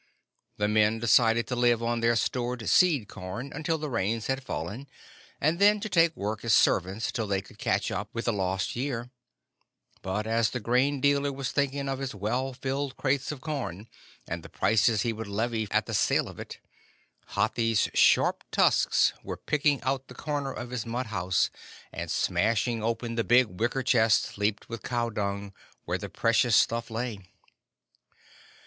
The men decided to live on their stored seed corn until the rains had fallen, and then to take work as servants till they could catch up with the lost year; but as the grain dealer was thinking of his well filled crates of corn, and the prices he would levy at the sale of it, Hathi's sharp tusks were picking out the corner of his mud house, and smashing open the big wicker chest, leeped with cow dung, where the precious stuff lay.